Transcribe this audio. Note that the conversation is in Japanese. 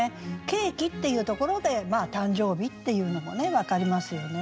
「ケーキ」っていうところで誕生日っていうのも分かりますよね。